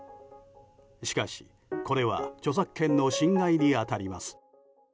しかし、これは著作権の侵害に当たります。